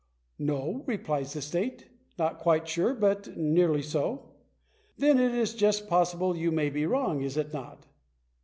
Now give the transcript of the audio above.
" No," replies the state ; "not quite sure, but nearly so." " Then it is just possible you may be wrong, is it not